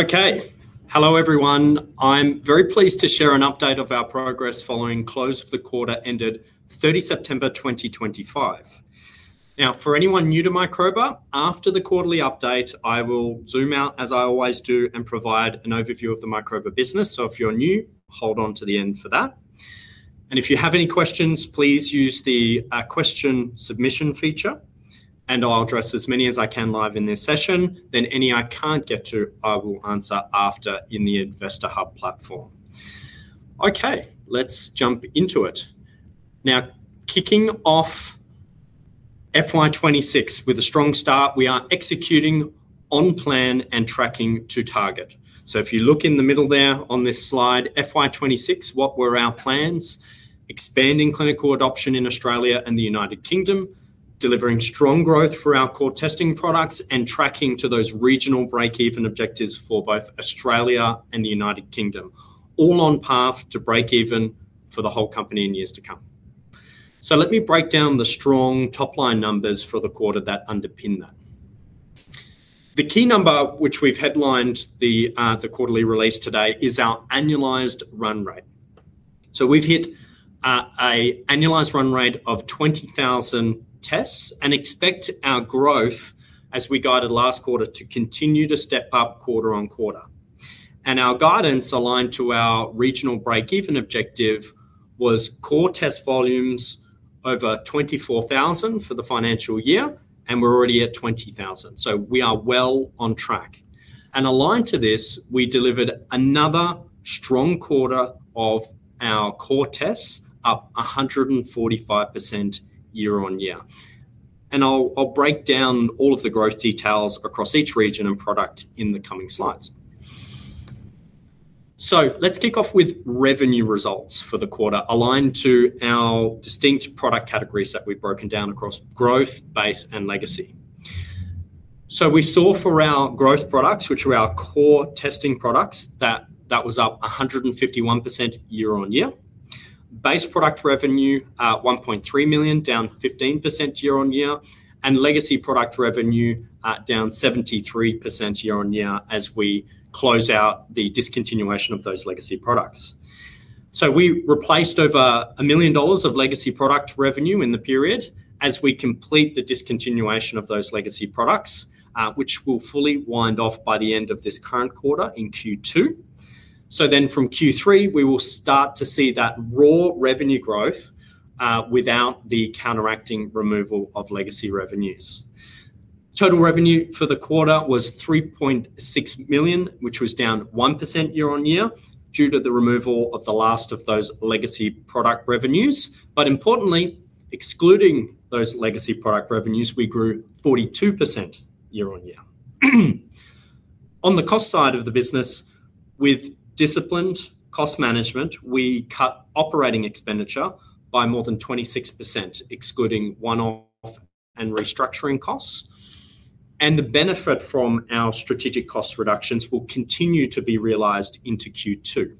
Okay. Hello everyone. I'm very pleased to share an update of our progress following close of the quarter ended 30 September 2025. Now, for anyone new to Microba, after the quarterly update, I will zoom out as I always do and provide an overview of the Microba business. If you're new, hold on to the end for that. If you have any questions, please use the question submission feature, and I'll address as many as I can live in this session. Any I can't get to, I will answer after in the Investor Hub platform. Okay, let's jump into it. Kicking off FY 2026 with a strong start, we are executing on plan and tracking to target. If you look in the middle there on this slide, FY 2026, what were our plans? Expanding clinical adoption in Australia and the United Kingdom, delivering strong growth for our core testing products, and tracking to those regional break-even objectives for both Australia and the United Kingdom. All on path to break-even for the whole company in years to come. Let me break down the strong top-line numbers for the quarter that underpin that. The key number, which we've headlined the quarterly release today, is our annualized run rate. We've hit an annualized run rate of 20,000 tests and expect our growth, as we guided last quarter, to continue to step up quarter on quarter. Our guidance aligned to our regional break-even objective was core test volumes over 24,000 for the financial year, and we're already at 20,000. We are well on track. Aligned to this, we delivered another strong quarter of our core tests up 145% year-on-year. I'll break down all of the growth details across each region and product in the coming slides. Let's kick off with revenue results for the quarter, aligned to our distinct product categories that we've broken down across growth, base, and legacy. We saw for our growth products, which were our core testing products, that that was up 151% year-on-year. Base product revenue at 1.3 million down 15% year-on-year, and legacy product revenue down 73% year-on-year as we close out the discontinuation of those legacy products. We replaced over 1 million dollars of legacy product revenue in the period as we complete the discontinuation of those legacy products, which will fully wind off by the end of this current quarter in Q2. From Q3, we will start to see that raw revenue growth without the counteracting removal of legacy revenues. Total revenue for the quarter was 3.6 million, which was down 1% year-on-year due to the removal of the last of those legacy product revenues. Importantly, excluding those legacy product revenues, we grew 42% year-on-year. On the cost side of the business, with disciplined cost management, we cut operating expenditure by more than 26%, excluding one-off and restructuring costs. The benefit from our strategic cost reductions will continue to be realized into Q2.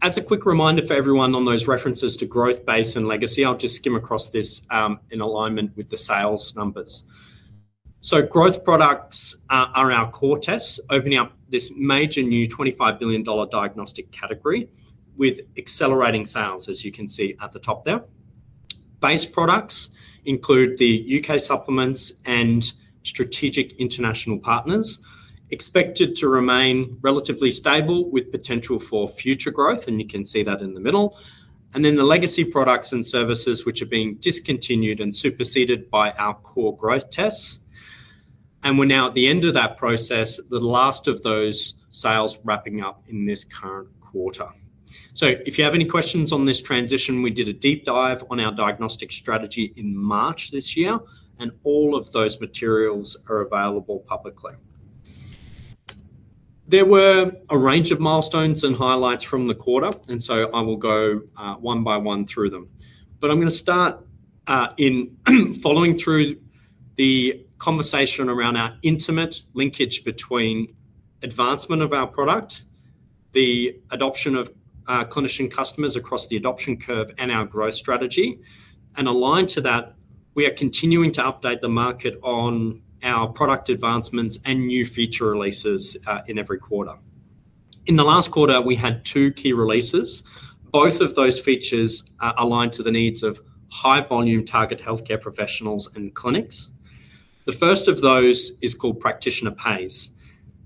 As a quick reminder for everyone on those references to growth, base, and legacy, I'll just skim across this in alignment with the sales numbers. Growth products are our core diagnostic tests, opening up this major new 25 billion dollar diagnostic category with accelerating sales, as you can see at the top there. Base products include the U.K. supplements and strategic international partners, expected to remain relatively stable with potential for future growth, and you can see that in the middle. The legacy products and services are being discontinued and superseded by our core growth tests. We're now at the end of that process, the last of those sales wrapping up in this current quarter. If you have any questions on this transition, we did a deep dive on our diagnostic strategy in March this year, and all of those materials are available publicly. There were a range of milestones and highlights from the quarter, and I will go one by one through them. I'm going to start in following through the conversation around our intimate linkage between advancement of our product, the adoption of clinician customers across the adoption curve, and our growth strategy. Aligned to that, we are continuing to update the market on our product advancements and new feature releases in every quarter. In the last quarter, we had two key releases. Both of those features aligned to the needs of high-volume target healthcare professionals and clinics. The first of those is called Practitioner Pays.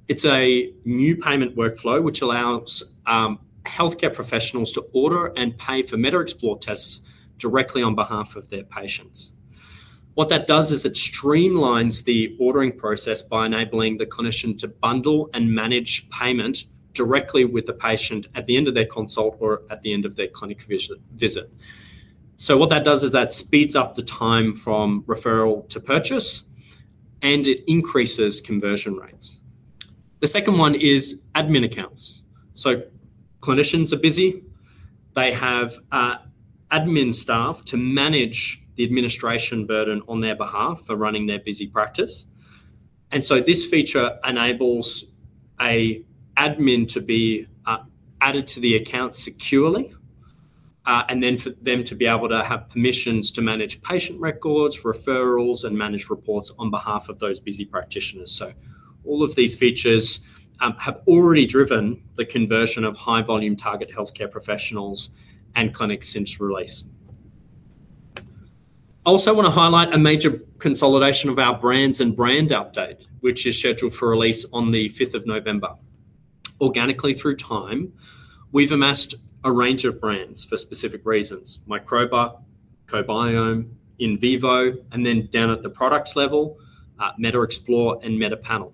It's a new payment workflow which allows healthcare professionals to order and pay for MetaXplore tests directly on behalf of their patients. What that does is it streamlines the ordering process by enabling the clinician to bundle and manage payment directly with the patient at the end of their consult or at the end of their clinic visit. What that does is that speeds up the time from referral to purchase, and it increases conversion rates. The second one is admin accounts. Clinicians are busy. They have admin staff to manage the administration burden on their behalf for running their busy practice. This feature enables an admin to be added to the account securely, and for them to be able to have permissions to manage patient records, referrals, and manage reports on behalf of those busy practitioners. All of these features have already driven the conversion of high-volume target healthcare professionals and clinics since release. I also want to highlight a major consolidation of our brands and brand update, which is scheduled for release on the 5th of November. Organically, through time, we've amassed a range of brands for specific reasons: Microba, Co-Biome, Invivo, and then down at the product level, MetaXplore and MetaPanel.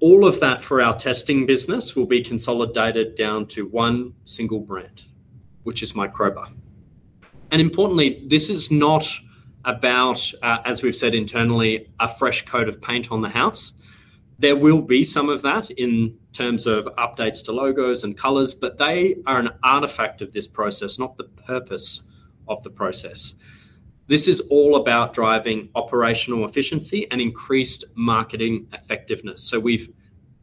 All of that for our testing business will be consolidated down to one single brand, which is Microba. Importantly, this is not about, as we've said internally, a fresh coat of paint on the house. There will be some of that in terms of updates to logos and colors, but they are an artifact of this process, not the purpose of the process. This is all about driving operational efficiency and increased marketing effectiveness. We've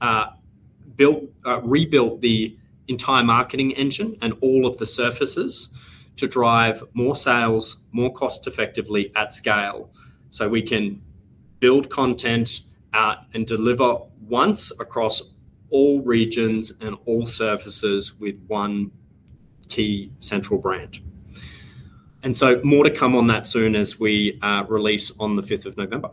rebuilt the entire marketing engine and all of the surfaces to drive more sales, more cost-effectively at scale. We can build content out and deliver once across all regions and all surfaces with one key central brand. More to come on that soon as we release on the 5th of November.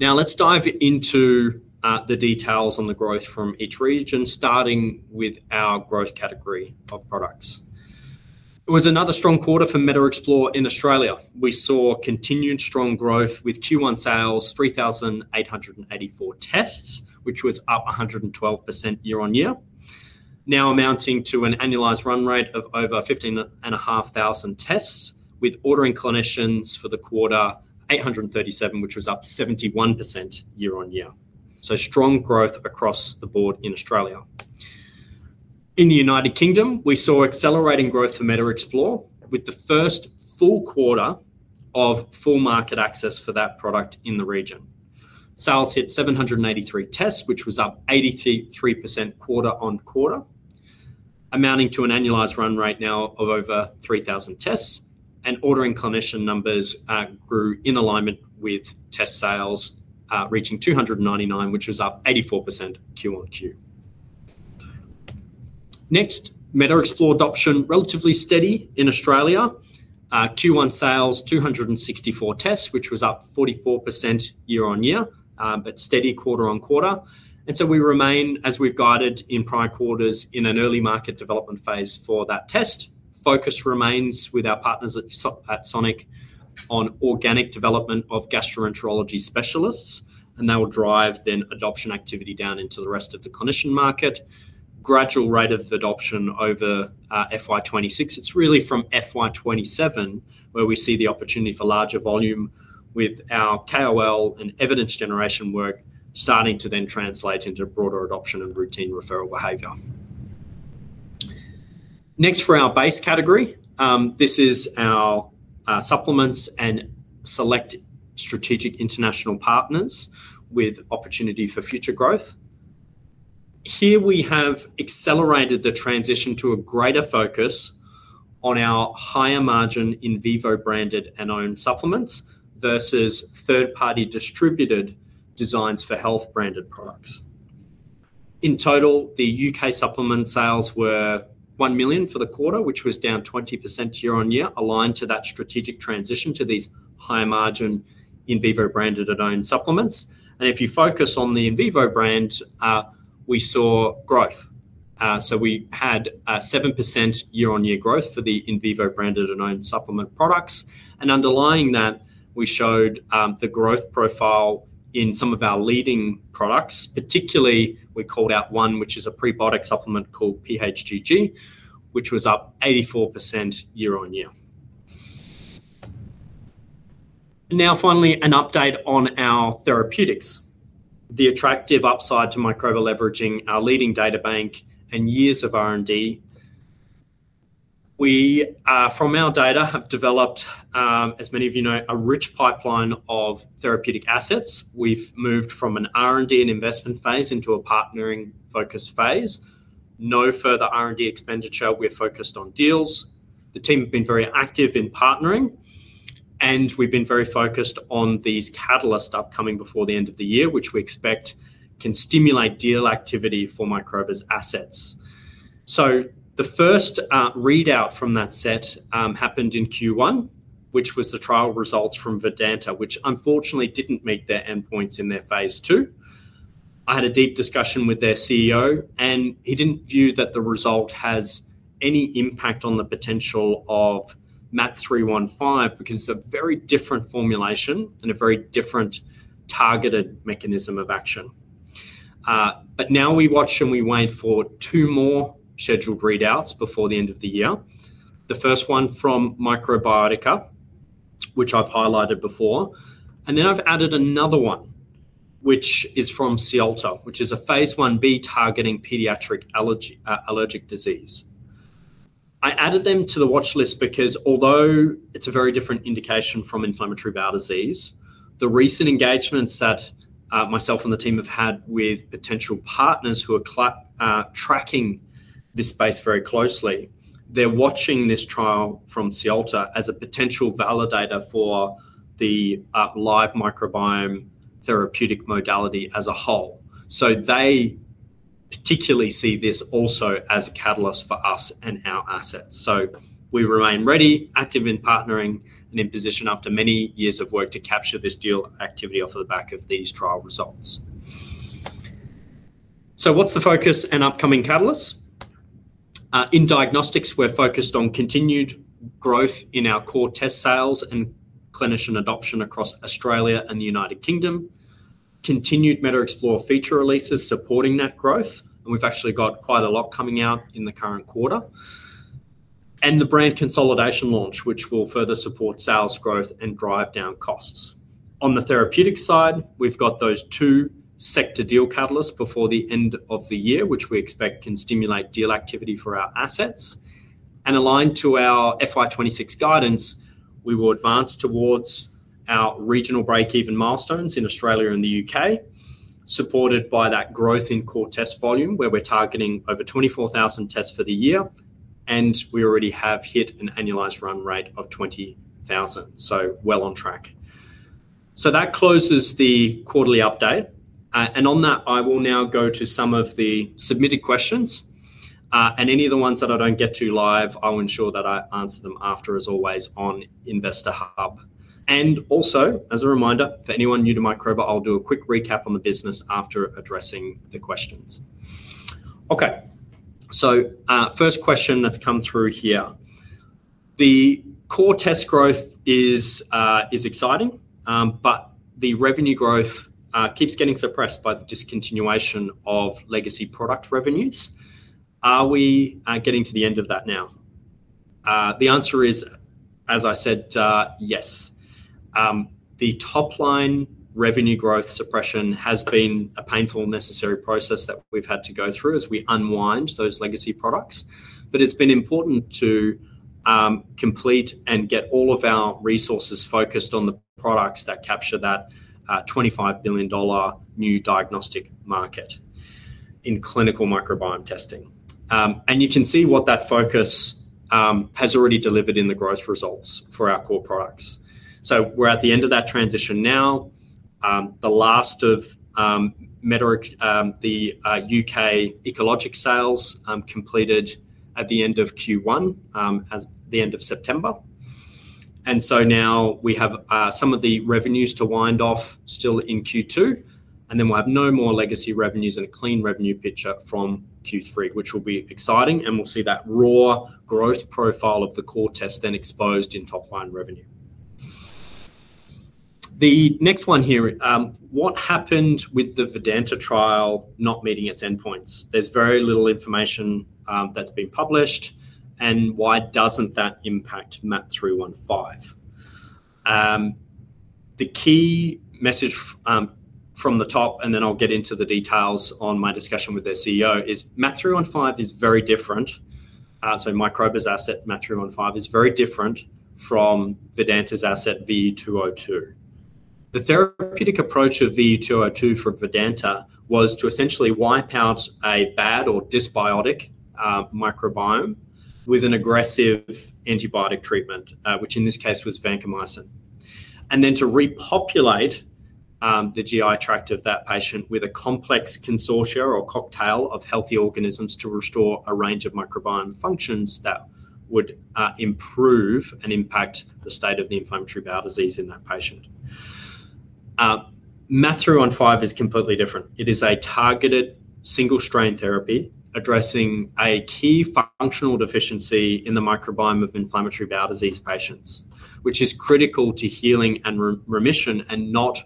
Now let's dive into the details on the growth from each region, starting with our growth category of products. It was another strong quarter for MetaXplore in Australia. We saw continued strong growth with Q1 sales, 3,884 tests, which was up 112% year-on-year, now amounting to an annualized run rate of over 15,500 tests, with ordering clinicians for the quarter 837, which was up 71% year-on-year. Strong growth across the board in Australia. In the United Kingdom, we saw accelerating growth for MetaXplore with the first full quarter of full market access for that product in the region. Sales hit 783 tests, which was up 83% quarter-on-quarter, amounting to an annualized run rate now of over 3,000 tests. Ordering clinician numbers grew in alignment with test sales, reaching 299, which was up 84% QoQ. Next, MetaXplore adoption relatively steady in Australia. Q1 sales, 264 tests, which was up 44% year-on-year, but steady quarter on quarter. We remain, as we've guided in prior quarters, in an early market development phase for that test. Focus remains with our partners at Sonic on organic development of gastroenterology specialists, and that will drive adoption activity down into the rest of the clinician market. There will be a gradual rate of adoption over FY 2026. It is really from FY 2027 where we see the opportunity for larger volume with our KOL and evidence generation work starting to translate into broader adoption and routine referral behavior. Next, for our base category, this is our supplements and select strategic international partners with opportunity for future growth. Here we have accelerated the transition to a greater focus on our higher-margin Invivo branded and owned supplements versus third-party distributed designs for health branded products. In total, the U.K. supplement sales were 1 million for the quarter, which was down 20% year-on-year, aligned to that strategic transition to these high-margin Invivo branded and owned supplements. If you focus on the Invivo brand, we saw growth. We had 7% year-on-year growth for the Invivo branded and owned supplement products. Underlying that, we showed the growth profile in some of our leading products, particularly we called out one, which is a prebiotic supplement called PHGG, which was up 84% year-on-year. Finally, an update on our therapeutics. The attractive upside to Microba, leveraging our leading proprietary data bank and years of R&D. We, from our data, have developed, as many of you know, a rich pipeline of therapeutic assets. We have moved from an R&D and investment phase into a partnering focus phase. No further R&D expenditure. We are focused on deals. The team has been very active in partnering, and we have been very focused on these catalysts upcoming before the end of the year, which we expect can stimulate deal activity for Microba's assets. The first readout from that set happened in Q1, which was the trial results from Vedanta, which unfortunately did not meet their endpoints in their phase two. I had a deep discussion with their CEO, and he did not view that the result has any impact on the potential of MAP 315 because it is a very different formulation and a very different targeted mechanism of action. Now we watch and we wait for two more scheduled readouts before the end of the year. The first one from Microbiotica, which I've highlighted before, and then I've added another one, which is from Siolta, which is a phase I-B targeting pediatric allergic disease. I added them to the watch list because although it's a very different indication from inflammatory bowel disease, the recent engagements that myself and the team have had with potential partners who are tracking this space very closely, they're watching this trial from Siolta as a potential validator for the live microbiome therapeutic modality as a whole. They particularly see this also as a catalyst for us and our assets. We remain ready, active in partnering, and in position after many years of work to capture this deal activity off of the back of these trial results. What's the focus and upcoming catalysts? In diagnostics, we're focused on continued growth in our core test sales and clinician adoption across Australia and the United Kingdom. Continued MetaXplore feature releases supporting that growth, and we've actually got quite a lot coming out in the current quarter. The brand consolidation launch will further support sales growth and drive down costs. On the therapeutic side, we've got those two sector deal catalysts before the end of the year, which we expect can stimulate deal activity for our assets. Aligned to our FY 2026 guidance, we will advance towards our regional break-even milestones in Australia and the United Kingdom, supported by that growth in core test volume where we're targeting over 24,000 tests for the year, and we already have hit an annualized run rate of 20,000. We're well on track. That closes the quarterly update. I will now go to some of the submitted questions. Any of the ones that I don't get to live, I'll ensure that I answer them after, as always, on Investor Hub. Also, as a reminder, for anyone new to Microba, I'll do a quick recap on the business after addressing the questions. Okay. First question that's come through here. The core test growth is exciting, but the revenue growth keeps getting suppressed by the discontinuation of legacy product revenues. Are we getting to the end of that now? The answer is, as I said, yes. The top-line revenue growth suppression has been a painful and necessary process that we've had to go through as we unwind those legacy products. It's been important to complete and get all of our resources focused on the products that capture that 25 billion dollar new diagnostic market in clinical microbiome testing. You can see what that focus has already delivered in the growth results for our core products. We're at the end of that transition now. The last of the United Kingdom ecologic sales completed at the end of Q1, at the end of September. We have some of the revenues to wind off still in Q2. We'll have no more legacy revenues and a clean revenue picture from Q3, which will be exciting. We'll see that raw growth profile of the core tests then exposed in top-line revenue. The next one here, what happened with the Vedanta trial not meeting its endpoints? There's very little information that's been published. Why doesn't that impact MAP 315? The key message from the top, and then I'll get into the details on my discussion with their CEO, is MAP 315 is very different. Microba's asset MAP 315 is very different from Vedanta's asset VE202. The therapeutic approach of VE202 for Vedanta was to essentially wipe out a bad or dysbiotic microbiome with an aggressive antibiotic treatment, which in this case was vancomycin, and then to repopulate the GI tract of that patient with a complex consortia or cocktail of healthy organisms to restore a range of microbiome functions that would improve and impact the state of the inflammatory bowel disease in that patient. MAP 315 is completely different. It is a targeted single-strain therapy addressing a key functional deficiency in the microbiome of inflammatory bowel disease patients, which is critical to healing and remission and not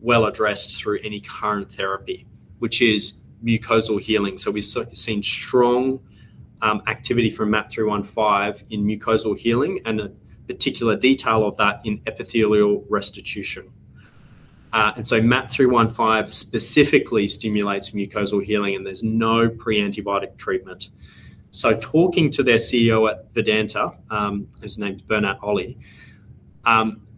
well addressed through any current therapy, which is mucosal healing. We've seen strong activity from MAP 315 in mucosal healing and a particular detail of that in epithelial restitution. MAP 315 specifically stimulates mucosal healing, and there's no pre-antibiotic treatment. Talking to their CEO at Vedanta, whose name's Bernat Olle,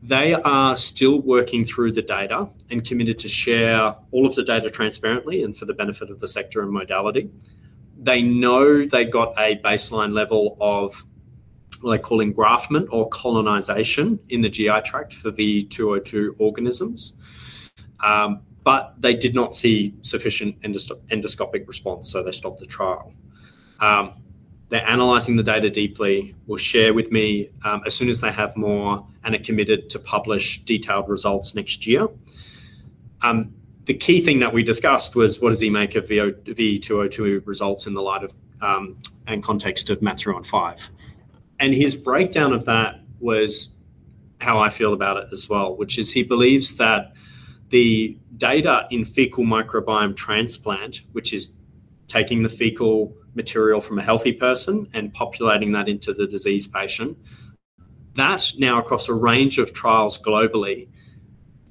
they are still working through the data and committed to share all of the data transparently and for the benefit of the sector and modality. They know they got a baseline level of what they call engraftment or colonization in the GI tract for VE202 organisms, but they did not see sufficient endoscopic response, so they stopped the trial. They're analyzing the data deeply. They'll share with me as soon as they have more, and are committed to publish detailed results next year. The key thing that we discussed was what does he make of VE202 results in the light of and context of MAP 315? His breakdown of that was how I feel about it as well, which is he believes that the data in fecal microbiome transplant, which is taking the fecal material from a healthy person and populating that into the diseased patient, that now across a range of trials globally,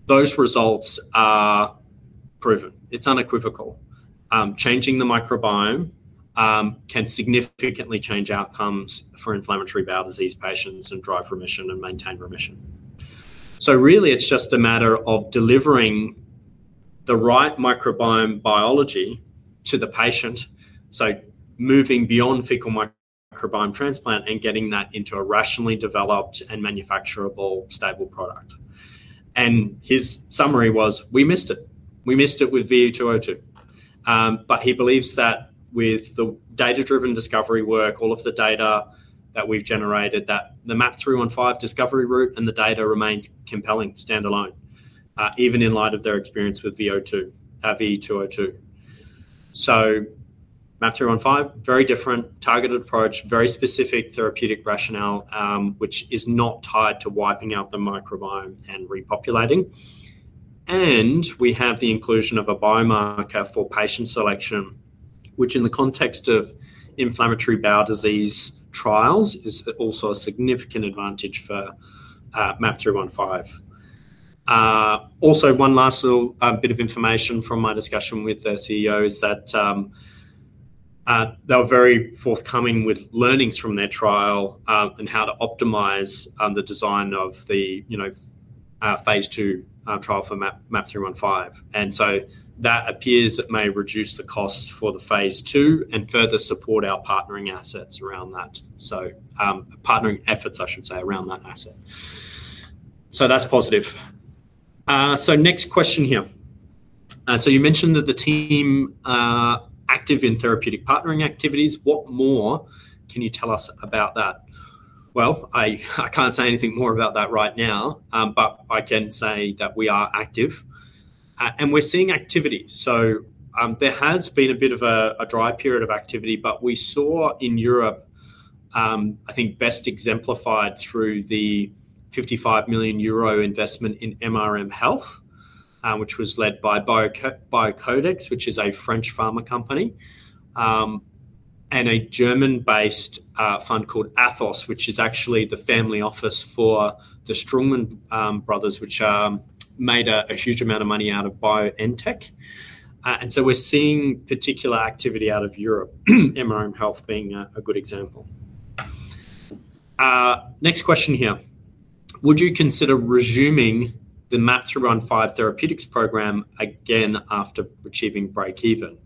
those results are proven. It's unequivocal. Changing the microbiome can significantly change outcomes for inflammatory bowel disease patients and drive remission and maintain remission. It is just a matter of delivering the right microbiome biology to the patient. Moving beyond fecal microbiome transplant and getting that into a rationally developed and manufacturable stable product is the next step. His summary was, "We missed it. We missed it with VE202." He believes that with the data-driven discovery work, all of the data that we've generated, that the MAP 315 discovery route and the data remains compelling standalone, even in light of their experience with VE202. MAP 315 is a very different targeted approach, very specific therapeutic rationale, which is not tied to wiping out the microbiome and repopulating. We have the inclusion of a biomarker for patient selection, which in the context of inflammatory bowel disease trials is also a significant advantage for MAP 315. One last little bit of information from my discussion with their CEO is that they're very forthcoming with learnings from their trial and how to optimize the design of the phase two trial for MAP 315. That appears it may reduce the cost for the phase two and further support our partnering efforts around that asset. That is positive. Next question here. You mentioned that the team is active in therapeutic partnering activities. What more can you tell us about that? I can't say anything more about that right now, but I can say that we are active. We're seeing activity. There has been a bit of a dry period of activity, but we saw in Europe, I think best exemplified through the 55 million euro investment in MRM Health, which was led by Biocodex, which is a French pharma company, and a German-based fund called Athos, which is actually the family office for the Struengmann brothers, which made a huge amount of money out of BioNTech. We're seeing particular activity out of Europe, MRM Health being a good example. Next question here. Would you consider resuming the MAP 315 therapeutics program again after achieving break-even?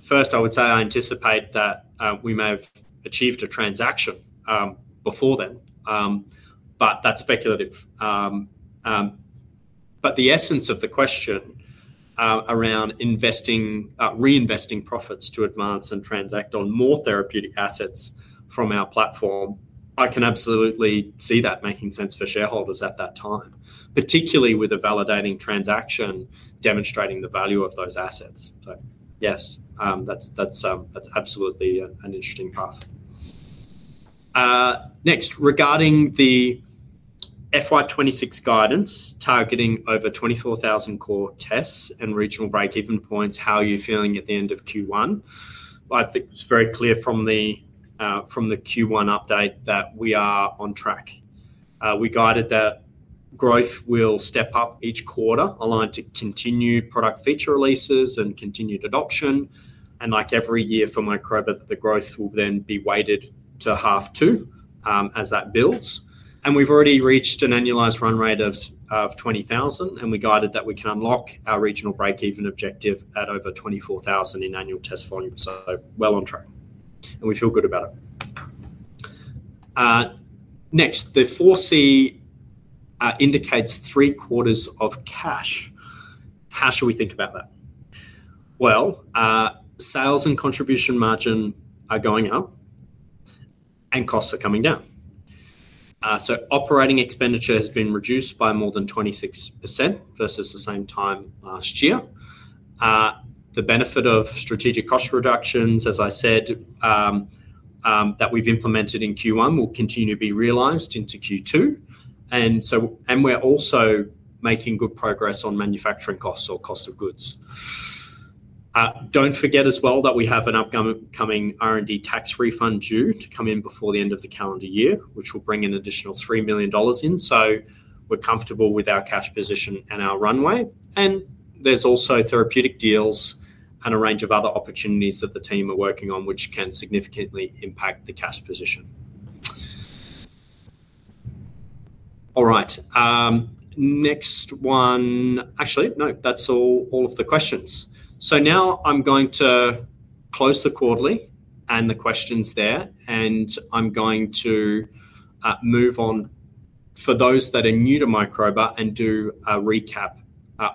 First, I would say I anticipate that we may have achieved a transaction before then, but that's speculative. The essence of the question around reinvesting profits to advance and transact on more therapeutic assets from our platform, I can absolutely see that making sense for shareholders at that time, particularly with a validating transaction demonstrating the value of those assets. Yes, that's absolutely an interesting path. Next, regarding the FY 2026 guidance targeting over 24,000 core tests and regional break-even points, how are you feeling at the end of Q1? I think it's very clear from the Q1 update that we are on track. We guided that growth will step up each quarter, aligned to continue product feature releases and continued adoption. Like every year for Microba, the growth will then be weighted to half two as that builds. We've already reached an annualized run rate of 20,000, and we guided that we can unlock our regional break-even objective at over 24,000 in annual test volume. Well on track, and we feel good about it. Next, the 4C indicates three quarters of cash. How should we think about that? Sales and contribution margin are going up, and costs are coming down. Operating expenditure has been reduced by more than 26% versus the same time last year. The benefit of strategic cost reductions, as I said, that we've implemented in Q1 will continue to be realized into Q2. We're also making good progress on manufacturing costs or cost of goods. Don't forget as well that we have an upcoming R&D tax refund due to come in before the end of the calendar year, which will bring an additional 3 million dollars in. We're comfortable with our cash position and our runway. There's also therapeutic deals and a range of other opportunities that the team are working on, which can significantly impact the cash position. All right. That's all of the questions. Now I'm going to close the quarterly and the questions there, and I'm going to move on for those that are new to Microba and do a recap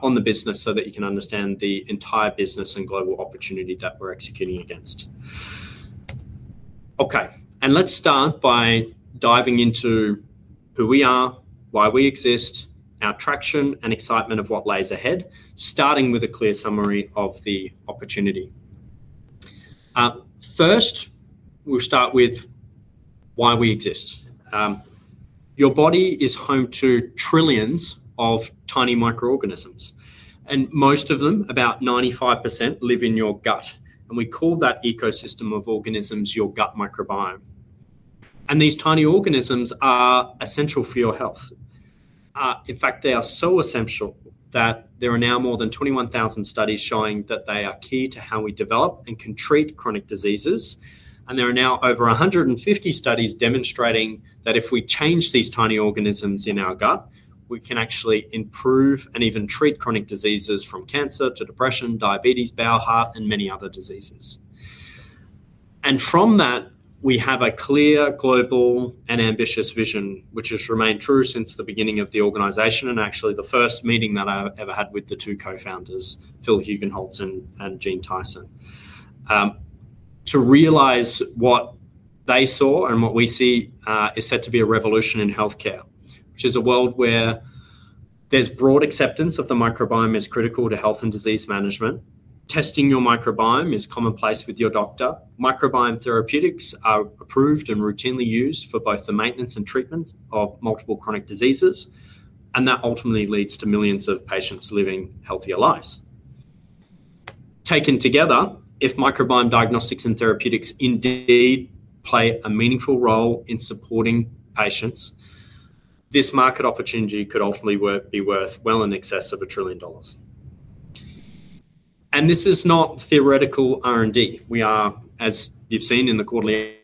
on the business so that you can understand the entire business and global opportunity that we're executing against. Okay. Let's start by diving into who we are, why we exist, our traction, and excitement of what lies ahead, starting with a clear summary of the opportunity. First, we'll start with why we exist. Your body is home to trillions of tiny microorganisms, and most of them, about 95%, live in your gut. We call that ecosystem of organisms your gut microbiome. These tiny organisms are essential for your health. In fact, they are so essential that there are now more than 21,000 studies showing that they are key to how we develop and can treat chronic diseases. There are now over 150 studies demonstrating that if we change these tiny organisms in our gut, we can actually improve and even treat chronic diseases from cancer to depression, diabetes, bowel, heart, and many other diseases. From that, we have a clear global and ambitious vision, which has remained true since the beginning of the organization and actually the first meeting that I ever had with the two co-founders, Phil Hugenholtz and Gene Tyson, to realize what they saw and what we see is set to be a revolution in healthcare, which is a world where there's broad acceptance of the microbiome as critical to health and disease management. Testing your microbiome is commonplace with your doctor. Microbiome therapeutics are approved and routinely used for both the maintenance and treatment of multiple chronic diseases. That ultimately leads to millions of patients living healthier lives. Taken together, if microbiome diagnostics and therapeutics indeed play a meaningful role in supporting patients, this market opportunity could ultimately be worth well in excess of a trillion dollars. This is not theoretical R&D. We are, as you've seen in the quarterly,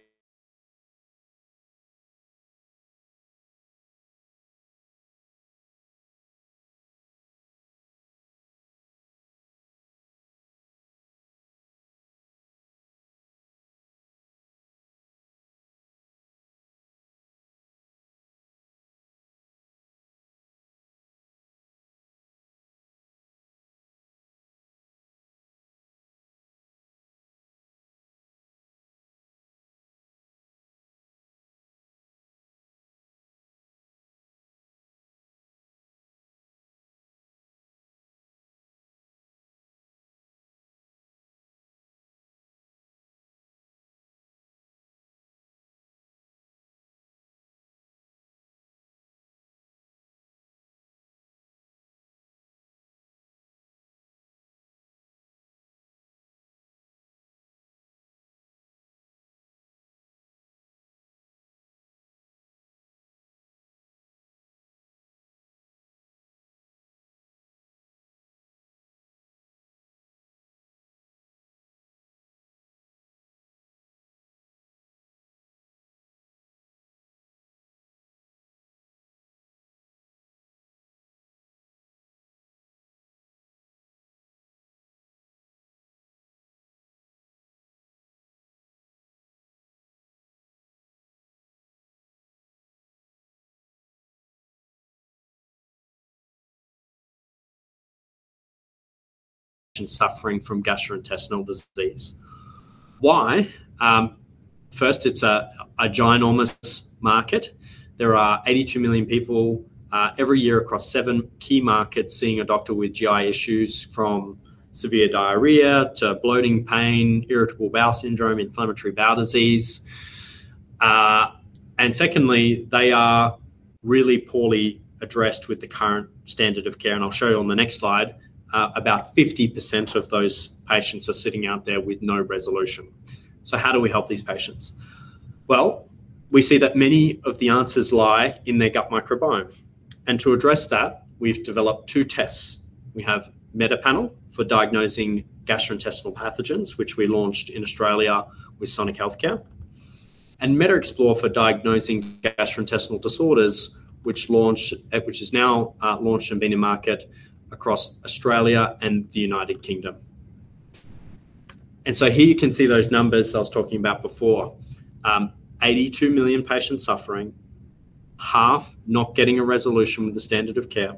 suffering from gastrointestinal disease. Why? First, it's a ginormous market. There are 82 million people every year across seven key markets seeing a doctor with GI issues from severe diarrhea to bloating pain, irritable bowel syndrome, inflammatory bowel disease. They are really poorly addressed with the current standard of care. I'll show you on the next slide, about 50% of those patients are sitting out there with no resolution. How do we help these patients? We see that many of the answers lie in their gut microbiome. To address that, we've developed two tests. We have MetaPanel for diagnosing gastrointestinal pathogens, which we launched in Australia with Sonic Healthcare, and MetaXplore for diagnosing gastrointestinal disorders, which is now launched and been in market across Australia and the United Kingdom. Here you can see those numbers I was talking about before. 82 million patients suffering, half not getting a resolution with the standard of care.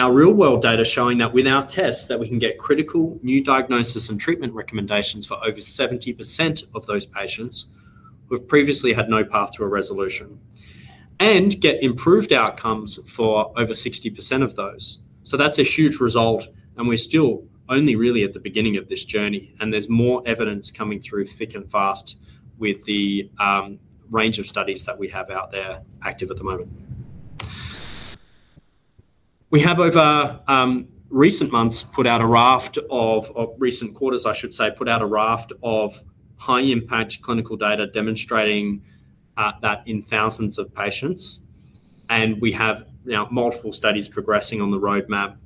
Our real-world data showing that with our tests, we can get critical new diagnosis and treatment recommendations for over 70% of those patients who have previously had no path to a resolution and get improved outcomes for over 60% of those. That's a huge result, and we're still only really at the beginning of this journey. There's more evidence coming through thick and fast with the range of studies that we have out there active at the moment. We have over recent months put out a raft of recent quarters, I should say, put out a raft of high-impact clinical data demonstrating that in thousands of patients. We have now multiple studies progressing on the roadmap,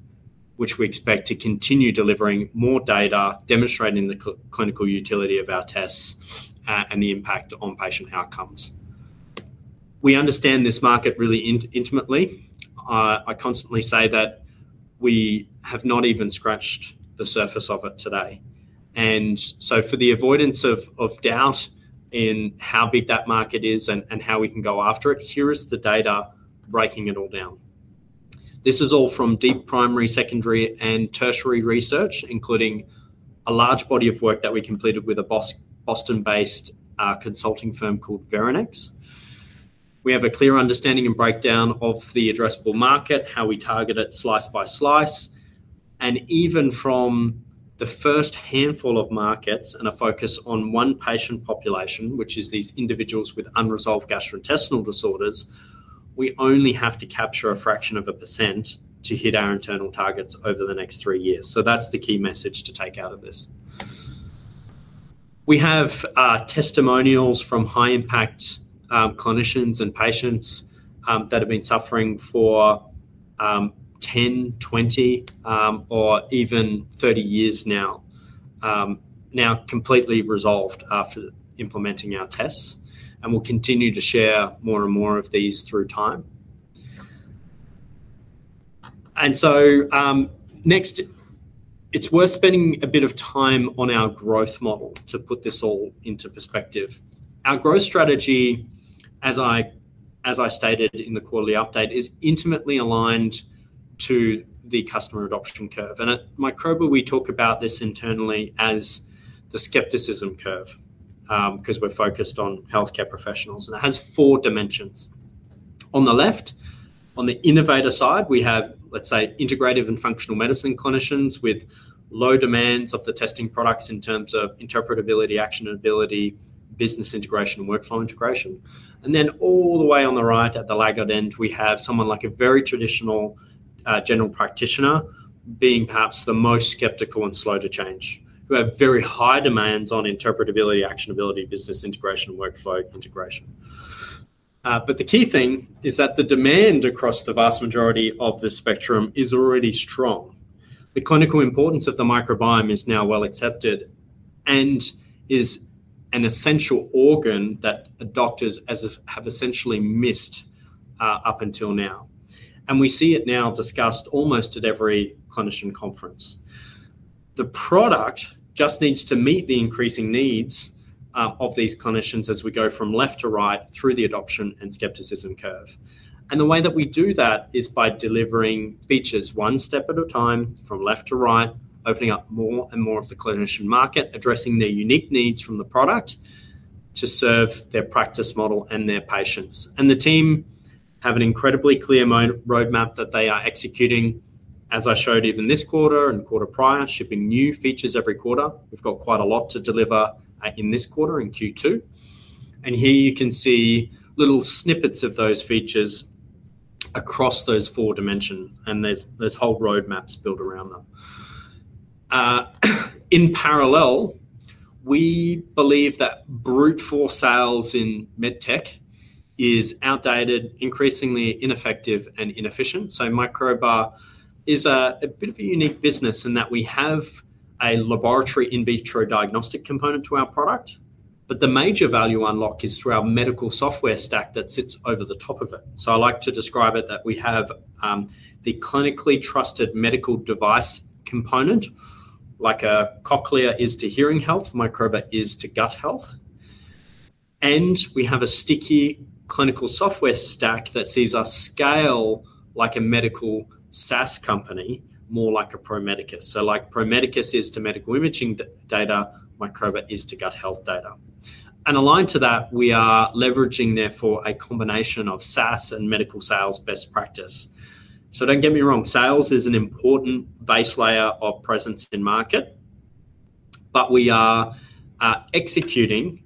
which we expect to continue delivering more data demonstrating the clinical utility of our tests and the impact on patient outcomes. We understand this market really intimately. I constantly say that we have not even scratched the surface of it today. For the avoidance of doubt in how big that market is and how we can go after it, here is the data breaking it all down. This is all from deep primary, secondary, and tertiary research, including a large body of work that we completed with a Boston-based consulting firm called Veranex. We have a clear understanding and breakdown of the addressable market, how we target it slice by slice. Even from the first handful of markets and a focus on one patient population, which is these individuals with unresolved gastrointestinal disorders, we only have to capture a fraction of a percent to hit our internal targets over the next three years. That's the key message to take out of this. We have testimonials from high-impact clinicians and patients that have been suffering for 10, 20, or even 30 years now, now completely resolved after implementing our tests. We'll continue to share more and more of these through time. Next, it's worth spending a bit of time on our growth model to put this all into perspective. Our growth strategy, as I stated in the quarterly update, is intimately aligned to the customer adoption curve. At Microba, we talk about this internally as the skepticism curve because we're focused on healthcare professionals. It has four dimensions. On the left, on the innovator side, we have, let's say, integrative and functional medicine clinicians with low demands of the testing products in terms of interpretability, actionability, business integration, and workflow integration. All the way on the right at the laggard end, we have someone like a very traditional general practitioner being perhaps the most skeptical and slow to change, who have very high demands on interpretability, actionability, business integration, and workflow integration. The key thing is that the demand across the vast majority of the spectrum is already strong. The clinical importance of the microbiome is now well accepted and is an essential organ that doctors have essentially missed up until now. We see it now discussed almost at every clinician conference. The product just needs to meet the increasing needs of these clinicians as we go from left to right through the adoption and skepticism curve. The way that we do that is by delivering features one step at a time from left to right, opening up more and more of the clinician market, addressing their unique needs from the product to serve their practice model and their patients. The team have an incredibly clear roadmap that they are executing, as I showed even this quarter and quarter prior, shipping new features every quarter. We've got quite a lot to deliver in this quarter in Q2. Here you can see little snippets of those features across those four dimensions, and there's whole roadmaps built around them. In parallel, we believe that brute force sales in medtech is outdated, increasingly ineffective, and inefficient. Microba is a bit of a unique business in that we have a laboratory in vitro diagnostic component to our product. The major value unlock is through our medical software stack that sits over the top of it. I like to describe it that we have the clinically trusted medical device component, like a cochlear is to hearing health, Microba is to gut health. We have a sticky clinical software stack that sees us scale like a medical SaaS company, more like a Pro Medicus. Like Pro Medicus is to medical imaging data, Microba is to gut health data. Aligned to that, we are leveraging therefore a combination of SaaS and medical sales best practice. Don't get me wrong, sales is an important base layer of presence in market. We are executing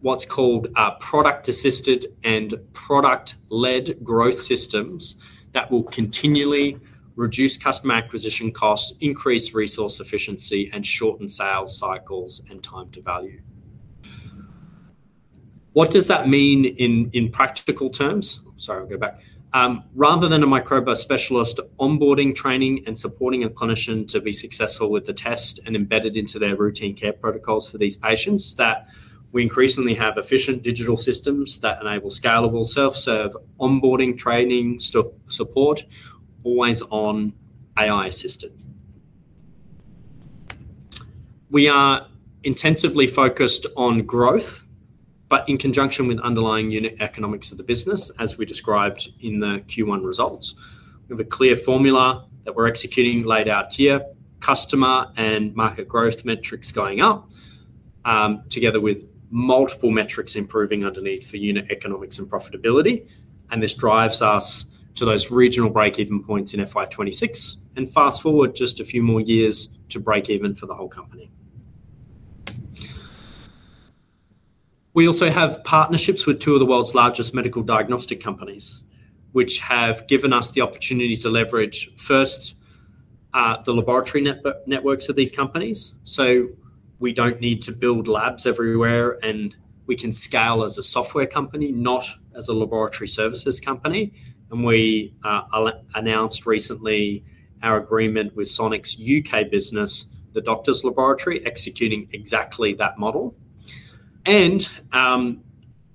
what's called product-assisted and product-led growth systems that will continually reduce customer acquisition costs, increase resource efficiency, and shorten sales cycles and time to value. What does that mean in practical terms? Rather than a Microba specialist onboarding, training, and supporting a clinician to be successful with the test and embedded into their routine care protocols for these patients, we increasingly have efficient digital systems that enable scalable self-serve onboarding, training, support, always-on AI assisted. We are intensively focused on growth, but in conjunction with underlying unit economics of the business, as we described in the Q1 results. We have a clear formula that we're executing laid out here, customer and market growth metrics going up, together with multiple metrics improving underneath for unit economics and profitability. This drives us to those regional break-even points in FY 2026. Fast forward just a few more years to break even for the whole company. We also have partnerships with two of the world's largest medical diagnostic companies, which have given us the opportunity to leverage first the laboratory networks of these companies. We don't need to build labs everywhere, and we can scale as a software company, not as a laboratory services company. We announced recently our agreement with Sonic's U.K. business, the Doctors Laboratory, executing exactly that model and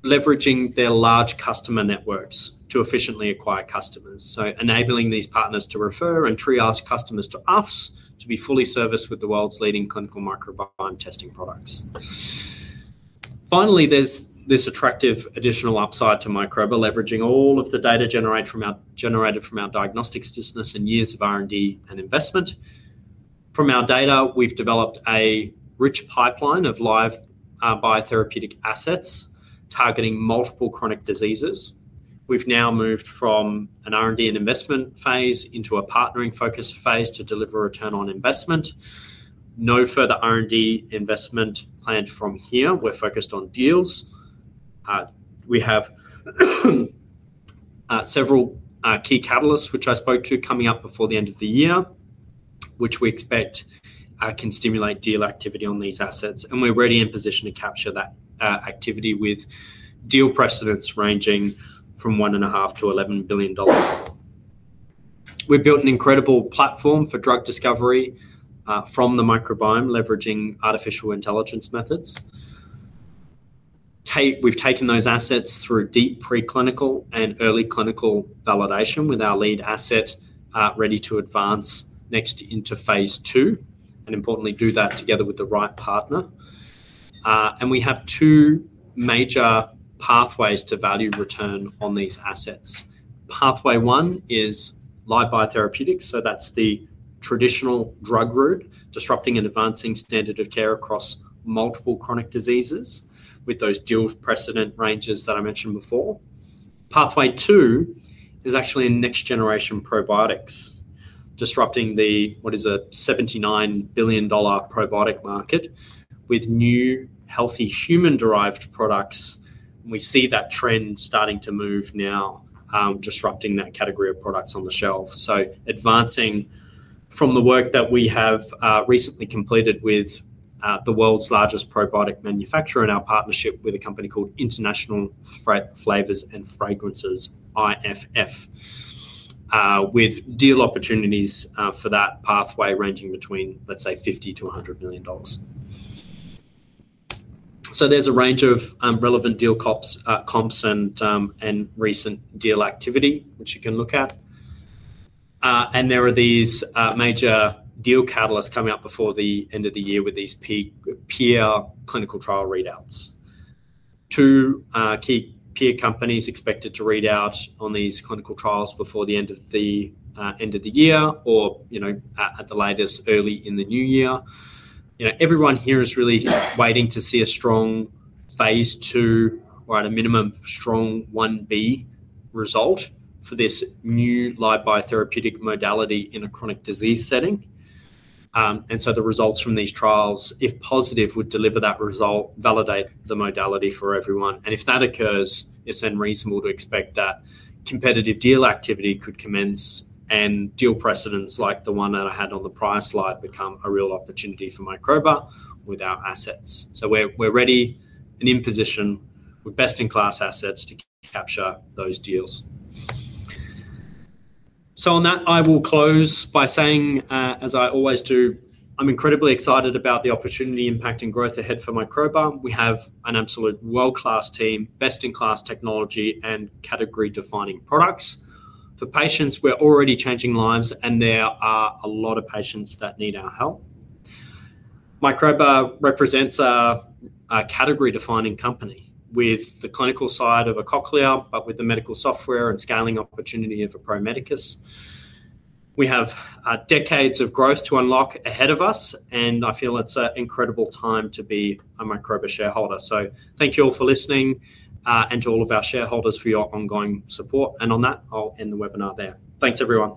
leveraging their large customer networks to efficiently acquire customers. Enabling these partners to refer and triage customers to us to be fully serviced with the world's leading clinical microbiome testing products. Finally, there's this attractive additional upside to Microba, leveraging all of the data generated from our diagnostics business and years of R&D and investment. From our data, we've developed a rich pipeline of live biotherapeutic assets targeting multiple chronic diseases. We've now moved from an R&D and investment phase into a partnering focus phase to deliver a return on investment. No further R&D investment planned from here. We're focused on deals. We have several key catalysts, which I spoke to coming up before the end of the year, which we expect can stimulate deal activity on these assets. We are ready and positioned to capture that activity with deal precedents ranging from 1.5 billion-11 billion dollars. We have built an incredible platform for drug discovery from the microbiome, leveraging artificial intelligence methods. We have taken those assets through deep preclinical and early clinical validation with our lead asset ready to advance next into phase two, and importantly, do that together with the right partner. We have two major pathways to value return on these assets. Pathway one is live biotherapeutics, which is the traditional drug route, disrupting and advancing standard of care across multiple chronic diseases with those deal precedent ranges that I mentioned before. Pathway two is actually next-generation probiotics, disrupting what is a 79 billion dollar probiotic market with new healthy human-derived products. We see that trend starting to move now, disrupting that category of products on the shelf. Advancing from the work that we have recently completed with the world's largest probiotic manufacturer in our partnership with a company called International Flavors & Fragrances, IFF, there are deal opportunities for that pathway ranging between 50 million-100 million dollars. There is a range of relevant deal comps and recent deal activity, which you can look at. There are major deal catalysts coming up before the end of the year with these peer clinical trial readouts. Two key peer companies are expected to read out on these clinical trials before the end of the year or, at the latest, early in the new year. Everyone here is really waiting to see a strong phase two or, at a minimum, strong 1-B result for this new live biotherapeutic modality in a chronic disease setting. The results from these trials, if positive, would deliver that result and validate the modality for everyone. If that occurs, it is then reasonable to expect that competitive deal activity could commence and deal precedents like the one that I had on the prior slide become a real opportunity for Microba with our assets. We are ready and in position with best-in-class assets to capture those deals. On that, I will close by saying, as I always do, I am incredibly excited about the opportunity impacting growth ahead for Microba. We have an absolute world-class team, best-in-class technology, and category-defining products. For patients, we are already changing lives, and there are a lot of patients that need our help. Microba represents a category-defining company with the clinical side of a cochlear, but with the medical software and scaling opportunity of a Pro Medicus. We have decades of growth to unlock ahead of us, and I feel it's an incredible time to be a Microba shareholder. Thank you all for listening and to all of our shareholders for your ongoing support. I'll end the webinar there. Thanks, everyone.